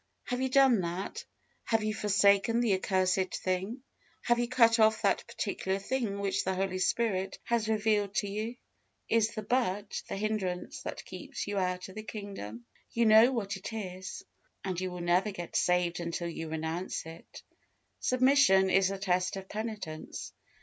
Have you done that? Have you forsaken the accursed thing? Have you cut off that particular thing which the Holy Spirit has revealed to you? Is the "but" the hindrance that keeps you out of the Kingdom? You know what it is, and you will never get saved until you renounce it. Submission is the test of penitence.